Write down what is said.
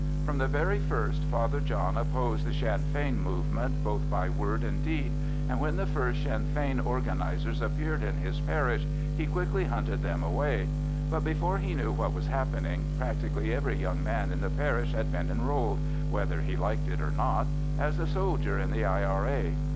From the very first Father John opposed the Sinn Fein movement both by word and deed, and when the first Sinn Fein organisers appeared in his parish he quickly hunted them away; but before he knew what was happening practically every young man in the parish had been enrolled, whether he liked it or not, as a soldier in the I.R.A.